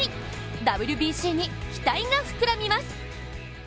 ＷＢＣに期待が膨らみます。